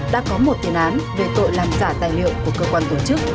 đã có một tiền án về tội làm giả tài liệu của cơ quan tổ chức